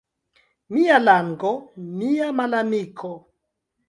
Mia lango — mia malamiko.